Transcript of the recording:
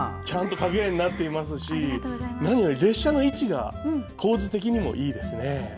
ちゃんと影絵になってますし何より列車の位置が構図的にもいいですね。